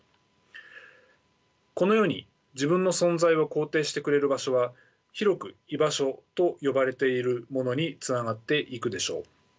このように自分の存在を肯定してくれる場所は広く居場所と呼ばれているものにつながっていくでしょう。